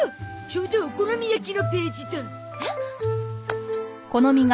ちょうどお好み焼きのページだ。えっ！？ああ。